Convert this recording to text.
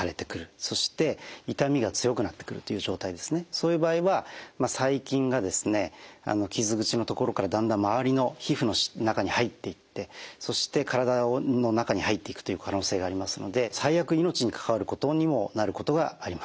そういう場合は細菌が傷口の所からだんだん周りの皮膚の中に入っていってそして体の中に入っていくという可能性がありますので最悪命にかかわることにもなることがあります。